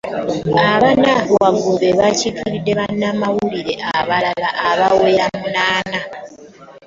Abana waggulu be bakiikiridde bannamawulire abalala abawera munaana